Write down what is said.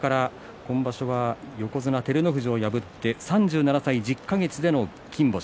今場所は照ノ富士を破って３７歳１０か月での金星。